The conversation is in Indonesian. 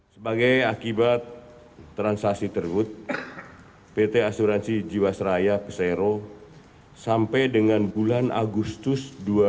sebagai akibat transaksi tergut pt asuransi jiwasraya pesero sampai dengan bulan agustus dua ribu sembilan belas